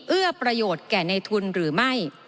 เอื้อประโยชน์แก่ในทุนหรือไม่